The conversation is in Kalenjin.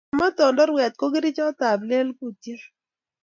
Chematondorwet ko kerichot ab plelkutiet